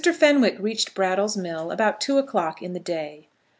Fenwick reached Brattle's mill about two o'clock in the day.